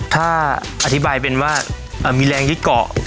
ถ้าอธิบายเป็นว่ามีแรงยึดเกาะ